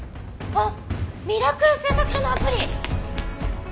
あっミラクル製作所のアプリ！